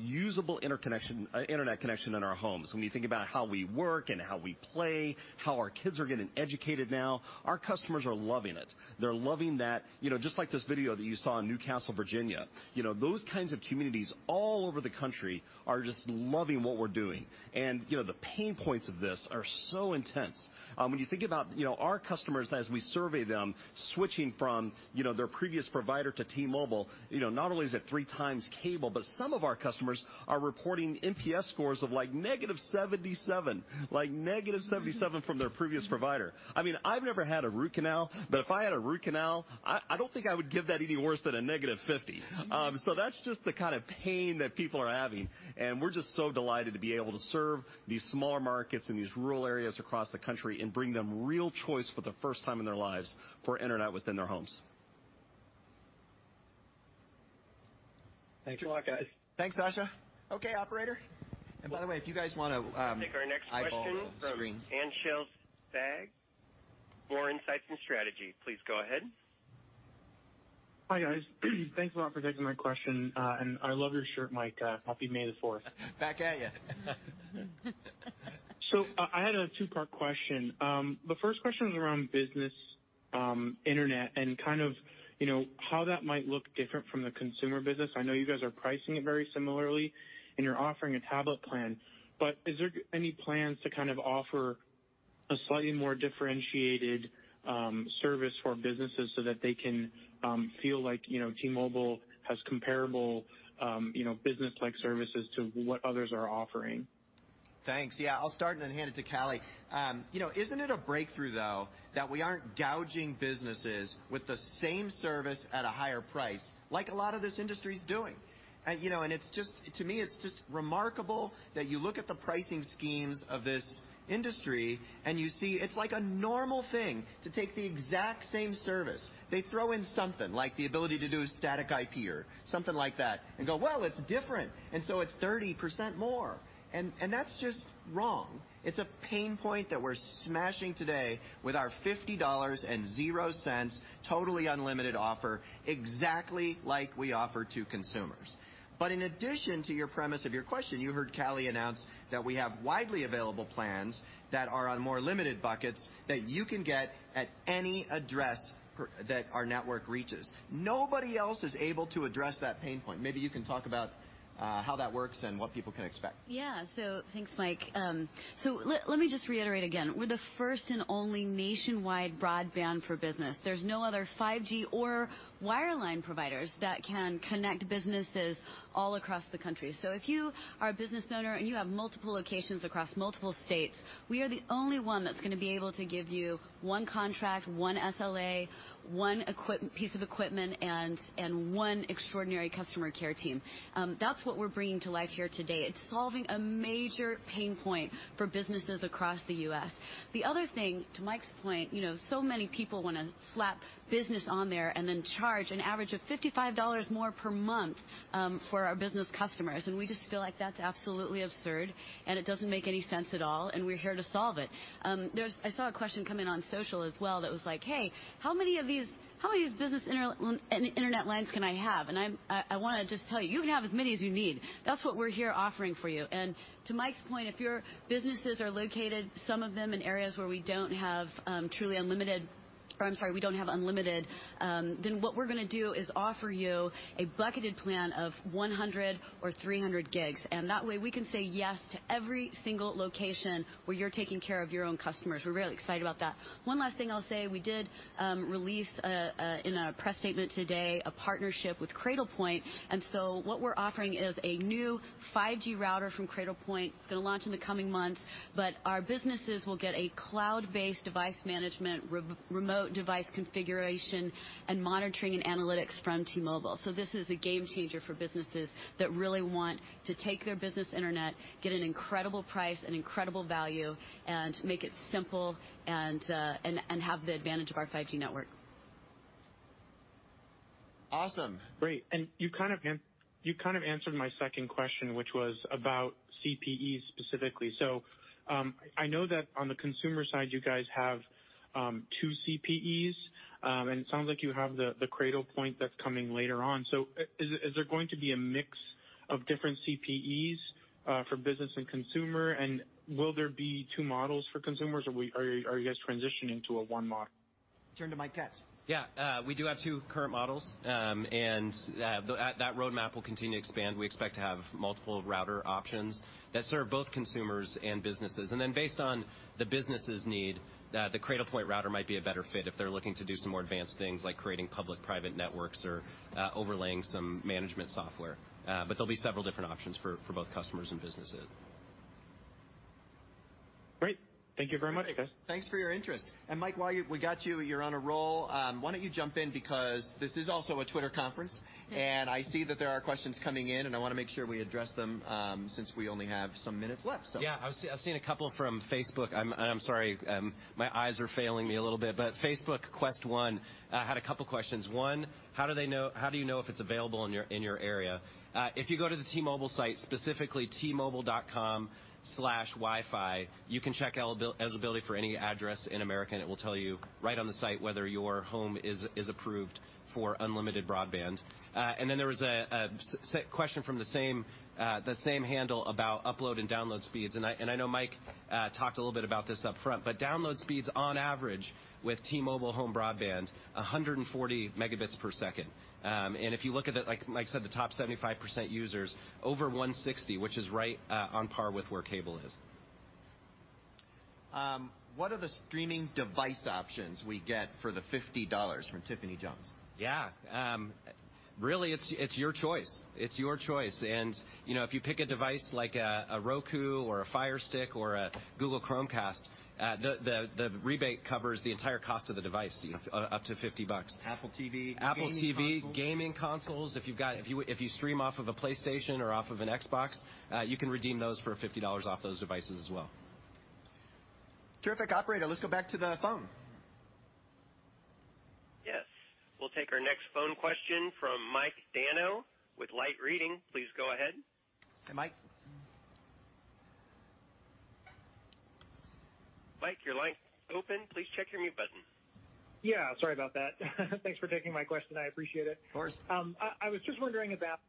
usable internet connection in our homes. When you think about how we work and how we play, how our kids are getting educated now, our customers are loving it. They're loving that. You know, just like this video that you saw in New Castle, Virginia, you know, those kinds of communities all over the country are just loving what we're doing. You know, the pain points of this are so intense. When you think about, you know, our customers as we survey them, switching from, you know, their previous provider to T-Mobile, you know, not only is it three times cable, but some of our customers are reporting NPS scores of like -77, like -77 from their previous provider. I mean, I've never had a root canal, but if I had a root canal, I don't think I would give that any worse than a -50. That's just the kind of pain that people are having, and we're just so delighted to be able to serve these smaller markets in these rural areas across the country and bring them real choice for the first time in their lives for internet within their homes. Thanks a lot, guys. Thanks, Sascha. Okay, operator. By the way, if you guys want to eyeball the screen. Take our next question from Anshel Sag, Moor Insights & Strategy. Please go ahead. Hi, guys. Thanks a lot for taking my question. I love your shirt, Mike. Happy May the Fourth. Back at you. I had a two-part question. The first question was around business internet and how that might look different from the consumer business. I know you guys are pricing it very similarly, and you're offering a tablet plan, but is there any plans to kind of offer a slightly more differentiated service for businesses so that they can feel like T-Mobile has comparable business-like services to what others are offering? Thanks. Yeah, I'll start and then hand it to Callie. You know, isn't it a breakthrough, though, that we aren't gouging businesses with the same service at a higher price like a lot of this industry's doing? To me, it's just remarkable that you look at the pricing schemes of this industry, and you see it's like a normal thing to take the exact same service. They throw in something like the ability to do static IP or something like that and go, "Well, it's different, and so it's 30% more." That's just wrong. It's a pain point that we're smashing today with our $50 and 0 cents totally unlimited offer, exactly like we offer to consumers. In addition to your premise of your question, you heard Callie announce that we have widely available plans that are on more limited buckets that you can get at any address that our network reaches. Nobody else is able to address that pain point. Maybe you can talk about how that works and what people can expect. Yeah. Thanks, Mike. Let me just reiterate again. We're the first and only nationwide broadband for business. There's no other 5G or wireline providers that can connect businesses all across the country. If you are a business owner and you have multiple locations across multiple states, we are the only one that's going to be able to give you one contract, one SLA, one piece of equipment, and one extraordinary customer care team. That's what we're bringing to life here today. It's solving a major pain point for businesses across the U.S. The other thing, to Mike's point, you know, so many people want to slap business on there and then charge an average of $55 more per month for our business customers. We just feel like that's absolutely absurd, and it doesn't make any sense at all, and we're here to solve it. There's I saw a question come in on social as well that was like, "Hey, how many of these business internet lines can I have?" I want to just tell you can have as many as you need. That's what we're here offering for you. To Mike's point, if your businesses are located, some of them in areas where we don't have unlimited, then what we're going to do is offer you a bucketed plan of 100 GB or 300 GB. That way, we can say yes to every single location where you're taking care of your own customers. We're really excited about that. One last thing I'll say, we did release in a press statement today a partnership with Cradlepoint. What we're offering is a new 5G router from Cradlepoint. It's going to launch in the coming months, but our businesses will get a cloud-based device management, remote device configuration and monitoring and analytics from T-Mobile. This is a game changer for businesses that really want to take their business internet, get an incredible price and incredible value and make it simple and have the advantage of our 5G network. Awesome. Great. You kind of answered my second question, which was about CPEs specifically. I know that on the consumer side, you guys have two CPEs, and it sounds like you have the Cradlepoint that's coming later on. Is there going to be a mix of different CPEs for business and consumer? Will there be two models for consumers, or are you guys transitioning to a one model? Turn to Mike Katz. Yeah. We do have two current models, and that roadmap will continue to expand. We expect to have multiple router options that serve both consumers and businesses. Based on the business's need, the Cradlepoint router might be a better fit if they're looking to do some more advanced things like creating public-private networks or overlaying some management software. There'll be several different options for both customers and businesses. Great. Thank you very much, guys. Thanks for your interest. Mike, we got you're on a roll. Why don't you jump in because this is also a Twitter conference. I see that there are questions coming in, and I want to make sure we address them, since we only have some minutes left. I've seen a couple from Facebook. I'm sorry, my eyes are failing me a little bit. Meta Quest 1 had a couple questions. One, how do you know if it's available in your area? If you go to the T-Mobile site, specifically, t-mobile.com/wifi, you can check eligibility for any address in America, and it will tell you right on the site whether your home is approved for unlimited broadband. There was a question from the same handle about upload and download speeds. I know Mike talked a little bit about this up front, but download speeds on average with T-Mobile home broadband, 140 Mbps. If you look at the, like I said, the top 75% users, over 160 Mbps, which is right on par with where cable is. What are the streaming device options we get for the $50, from Tiffany Jones. Really, it's your choice. You know, if you pick a device like a Roku or a Fire Stick or a Google Chromecast, the rebate covers the entire cost of the device, Steve, up to $50. Apple TV. Apple TV. Gaming consoles. Gaming consoles. If you stream off of a PlayStation or off of an Xbox, you can redeem those for $50 off those devices as well. Terrific. Operator, let's go back to the phone. Yes. We'll take our next phone question from Mike Dano with Light Reading. Please go ahead. Hi, Mike. Mike, your line's open. Please check your mute button. Yeah, sorry about that. Thanks for taking my question. I appreciate it. Of course. I was just wondering about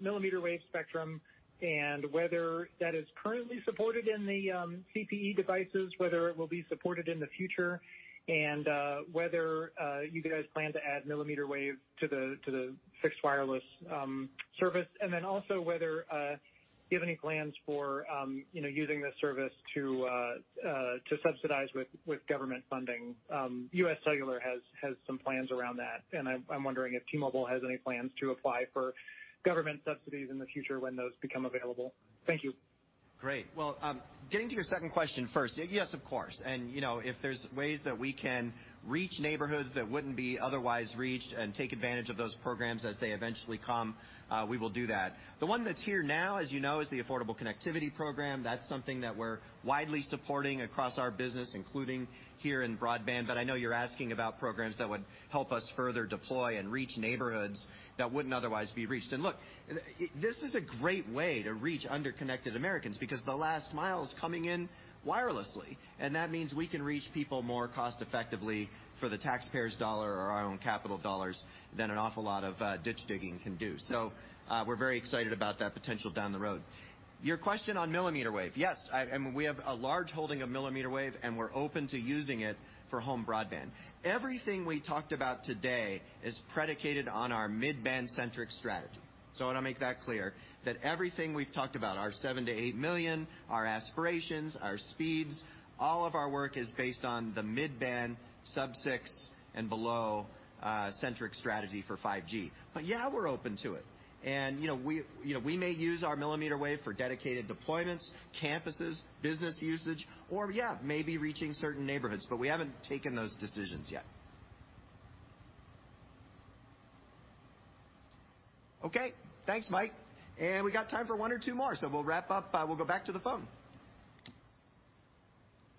millimeter wave spectrum and whether that is currently supported in the CPE devices, whether it will be supported in the future, and whether you guys plan to add millimeter wave to the fixed wireless service. Also whether you have any plans for, you know, using this service to subsidize with government funding. UScellular has some plans around that, and I'm wondering if T-Mobile has any plans to apply for government subsidies in the future when those become available. Thank you. Great. Well, getting to your second question first, yes, of course. You know, if there's ways that we can reach neighborhoods that wouldn't be otherwise reached and take advantage of those programs as they eventually come, we will do that. The one that's here now, as you know, is the Affordable Connectivity Program. That's something that we're widely supporting across our business, including here in broadband. I know you're asking about programs that would help us further deploy and reach neighborhoods that wouldn't otherwise be reached. Look, this is a great way to reach underconnected Americans because the last mile is coming in wirelessly, and that means we can reach people more cost effectively for the taxpayer's dollar or our own capital dollars than an awful lot of ditch digging can do. We're very excited about that potential down the road. Your question on millimeter wave. Yes, and we have a large holding of millimeter wave, and we're open to using it for home broadband. Everything we talked about today is predicated on our mid-band centric strategy. I want to make that clear, that everything we've talked about, our 7 million-8 million, our aspirations, our speeds, all of our work is based on the mid-band sub-6 and below, centric strategy for 5G. Yeah, we're open to it. You know, we, you know, we may use our millimeter wave for dedicated deployments, campuses, business usage, or, yeah, maybe reaching certain neighborhoods, but we haven't taken those decisions yet. Okay. Thanks, Mike. We got time for one or two more, so we'll wrap up. We'll go back to the phone.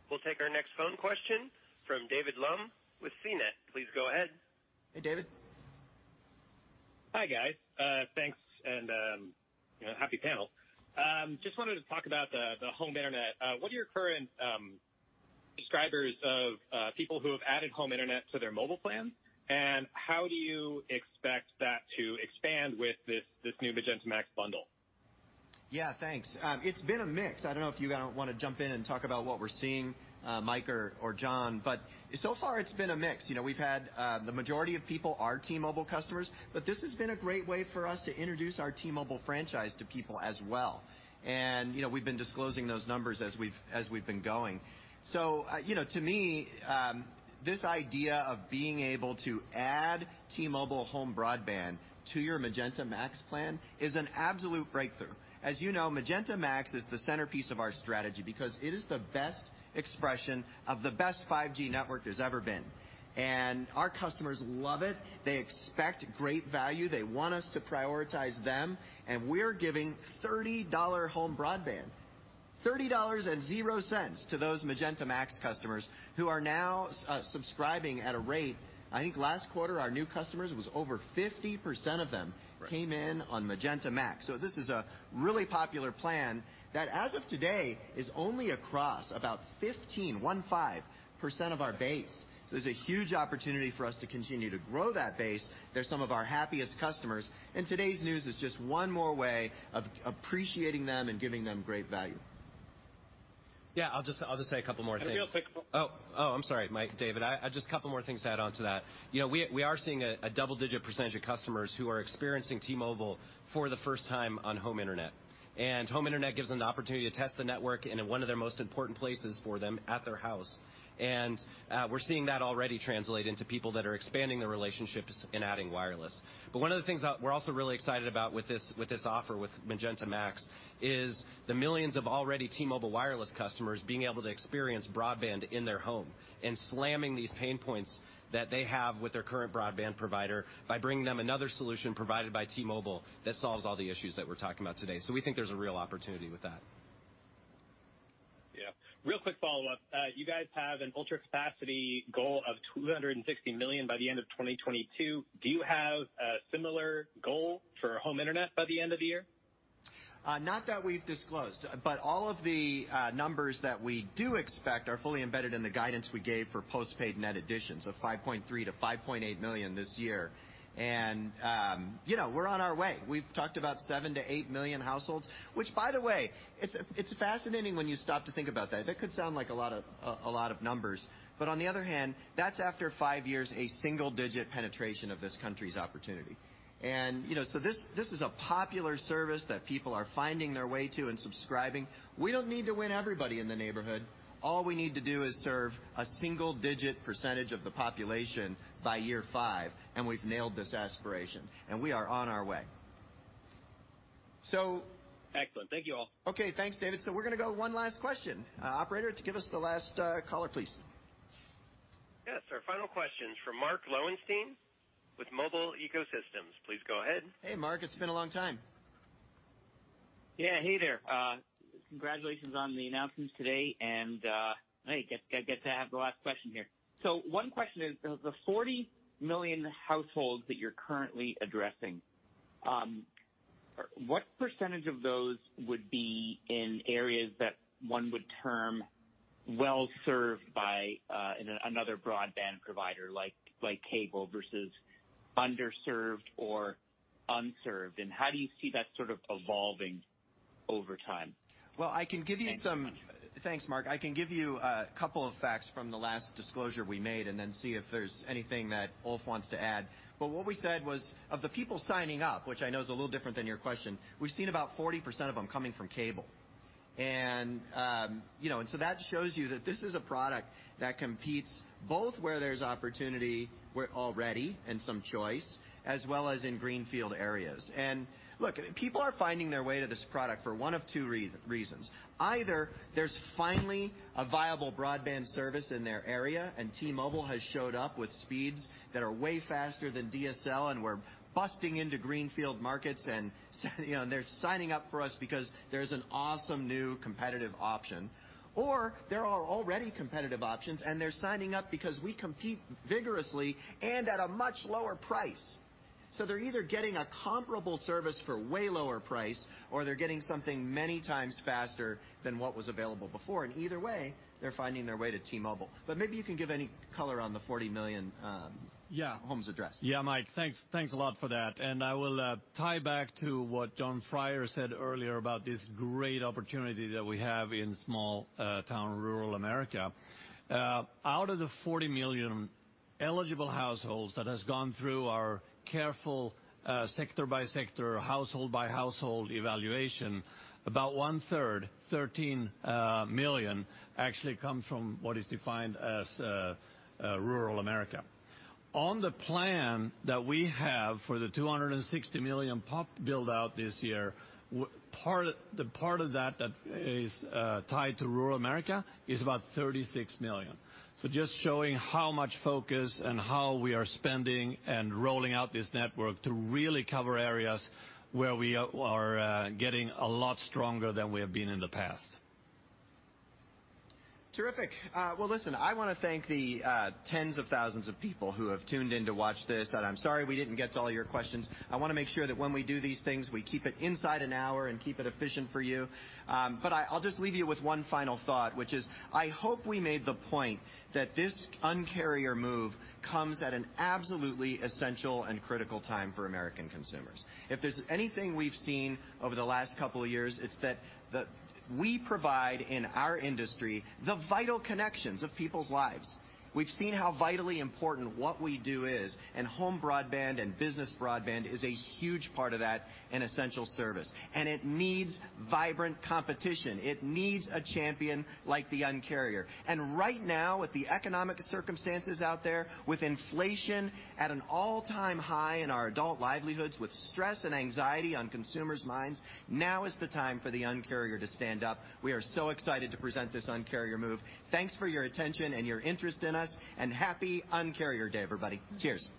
We'll take our next phone question from David Lumb with CNET. Please go ahead. Hey, David. Hi, guys. Thanks, and you know, happy panel. Just wanted to talk about the home internet. What are your current subscribers of people who have added home internet to their mobile plan? How do you expect that to expand with this new Magenta MAX bundle? Thanks. It's been a mix. I don't know if you guys want to jump in and talk about what we're seeing, Mike or John, but so far it's been a mix. You know, we've had the majority of people are T-Mobile customers, but this has been a great way for us to introduce our T-Mobile franchise to people as well. You know, we've been disclosing those numbers as we've been going. You know, to me, this idea of being able to add T-Mobile home broadband to your Magenta MAX plan is an absolute breakthrough. As you know, Magenta MAX is the centerpiece of our strategy because it is the best expression of the best 5G network there's ever been. Our customers love it. They expect great value. They want us to prioritize them, and we're giving $30 home broadband. $30.00 to those Magenta MAX customers who are now subscribing at a rate. I think last quarter, our new customers was over 50% of them. Came in on Magenta MAX. This is a really popular plan that, as of today, is only across about 15.15% of our base. There's a huge opportunity for us to continue to grow that base. They're some of our happiest customers. Today's news is just one more way of appreciating them and giving them great value. Yeah. I'll just say a couple more things. Real quick. I'm sorry, Mike, David. I just a couple more things to add on to that. You know, we are seeing a double-digit % of customers who are experiencing T-Mobile for the first time on home internet. Home internet gives them the opportunity to test the network in one of their most important places for them, at their house. We're seeing that already translate into people that are expanding their relationships and adding wireless. One of the things that we're also really excited about with this offer with Magenta MAX is the millions of already T-Mobile wireless customers being able to experience broadband in their home and slamming these pain points that they have with their current broadband provider by bringing them another solution provided by T-Mobile that solves all the issues that we're talking about today. We think there's a real opportunity with that. Yeah. Real quick follow-up. You guys have an Ultra Capacity goal of 260 million by the end of 2022. Do you have a similar goal for home internet by the end of the year? Not that we've disclosed, but all of the numbers that we do expect are fully embedded in the guidance we gave for postpaid net additions of 5.3 million-5.8 million this year. You know, we're on our way. We've talked about 7 million-8 million households, which by the way, it's fascinating when you stop to think about that. That could sound like a lot of numbers. On the other hand, that's after five years, a single-digit penetration of this country's opportunity. You know, this is a popular service that people are finding their way to and subscribing. We don't need to win everybody in the neighborhood. All we need to do is serve a single-digit percentage of the population by year five, and we've nailed this aspiration, and we are on our way. Excellent. Thank you all. Okay. Thanks, David. We're going to go one last question. Operator, give us the last caller, please. Yes, our final question's from Mark Lowenstein with Mobile Ecosystem. Please go ahead. Hey, Mark. It's been a long time. Yeah. Hey there. Congratulations on the announcements today, and get to have the last question here. One question is, of the 40 million households that you're currently addressing, what percentage of those would be in areas that one would term well-served by another broadband provider like Cable versus underserved or unserved? How do you see that sort of evolving over time? Thanks, Mark. I can give you a couple of facts from the last disclosure we made, and then see if there's anything that Ulf wants to add. What we said was, of the people signing up, which I know is a little different than your question, we've seen about 40% of them coming from Cable. You know, and so that shows you that this is a product that competes both where there's opportunity where already and some choice as well as in greenfield areas. Look, people are finding their way to this product for one of two reasons. Either there's finally a viable broadband service in their area, and T-Mobile has showed up with speeds that are way faster than DSL, and we're busting into greenfield markets and, you know, and they're signing up for us because there's an awesome new competitive option. There are already competitive options, and they're signing up because we compete vigorously and at a much lower price. They're either getting a comparable service for way lower price or they're getting something many times faster than what was available before. Either way, they're finding their way to T-Mobile. Maybe you can give any color on the 40 million Homes addressed. Yeah, Mike, thanks. Thanks a lot for that. I will tie back to what Jon Freier said earlier about this great opportunity that we have in small town rural America. Out of the 40 million eligible households that has gone through our careful sector by sector, household by household evaluation, about one-third, 13 million actually come from what is defined as rural America. On the plan that we have for the 260 million pop build out this year, the part of that that is tied to rural America is about 36 million. Just showing how much focus and how we are spending and rolling out this network to really cover areas where we are getting a lot stronger than we have been in the past. Terrific. Well, listen, I want to thank the tens of thousands of people who have tuned in to watch this, and I'm sorry we didn't get to all your questions. I want to make sure that when we do these things, we keep it inside an hour and keep it efficient for you. I'll just leave you with one final thought, which is, I hope we made the point that this Un-carrier move comes at an absolutely essential and critical time for American consumers. If there's anything we've seen over the last couple of years, it's that we provide in our industry the vital connections of people's lives. We've seen how vitally important what we do is, and home broadband and business broadband is a huge part of that, an essential service. It needs vibrant competition. It needs a champion like the Un-carrier. Right now, with the economic circumstances out there, with inflation at an all-time high in our adult livelihoods, with stress and anxiety on consumers' minds, now is the time for the Un-carrier to stand up. We are so excited to present this Un-carrier move. Thanks for your attention and your interest in us. Happy Un-carrier Day, everybody. Cheers.